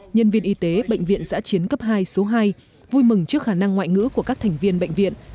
nhân viên y tế bệnh viện giã chiến cấp hai số hai vui mừng trước khả năng ngoại ngữ của các thành viên bệnh viện